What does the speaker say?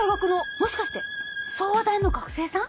もしかして総和大の学生さん？